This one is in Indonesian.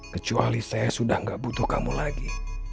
kecuali saya sudah tidak butuh kamu lagi